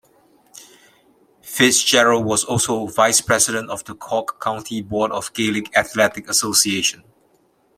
Fitzgerald was also Vice-President of the Cork County Board of the Gaelic Athletic Association.